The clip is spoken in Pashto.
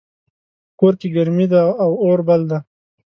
په کور کې ګرمي ده او اور بل ده